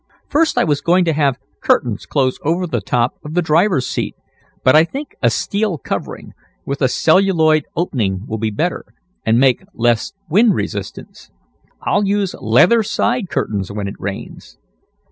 First I was going to have curtains close over the top of the driver's seat, but I think a steel covering, with a celluloid opening will be better and make less wind resistance. I'll use leather side curtains when it rains.